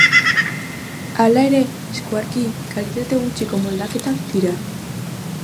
Hala ere, eskuarki, kalitate gutxiko moldaketak dira.